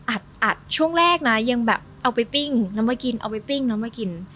อ่ะช่วงแรกนะยังแบบเอาไปปิ้งแล้วมากิน